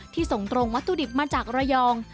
ส่งตรงวัตถุดิบมาจากระยอง